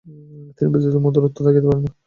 তিনি ব্যতীত মধুরত্ব থাকিতে পারে না।